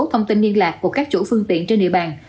thông tin liên lạc của các chủ phương tiện trên địa bàn